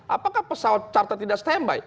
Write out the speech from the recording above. apakah pesawat charter tidak stand by